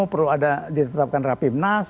perlu ada ditetapkan rapimnas